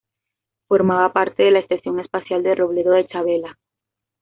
Formaba parte de la Estación Espacial de Robledo de Chavela.